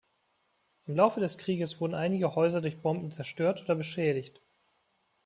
Im Laufe des Krieges wurden einige Häuser durch Bomben zerstört oder beschädigt.